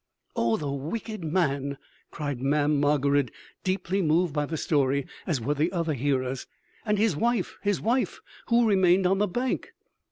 "Oh, the wicked man!" cried Mamm' Margarid deeply moved by the story as were the other hearers. "And his wife!... his wife ... who remained on the bank?